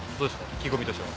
意気込みとしては。